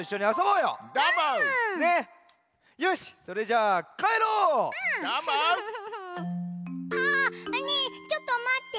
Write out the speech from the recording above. ああねえちょっとまって。